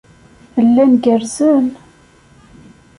Llan gerrzen.